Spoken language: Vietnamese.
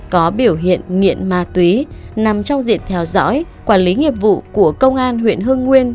có biểu hiện nghiện ma túy nằm trong diện theo dõi quản lý nghiệp vụ của công an huyện hưng nguyên